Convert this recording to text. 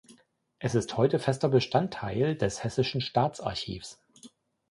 Es ist heute fester Bestandteil des hessischen Staatsarchivs.